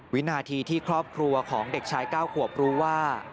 วินาทีที่ครอบครัวของเด็กชาย๙ขวบรู้ว่า